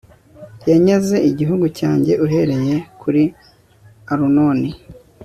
yanyaze igihugu cyanjye uhereye kuri arunoni